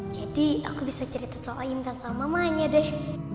jadi aku bisa cerita soal intan sama mamanya deh